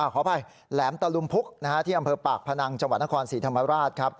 ขออภัยแหลมตะลุมพุกที่อำเภอปากพนังจังหวัดนครศรีธรรมราชครับ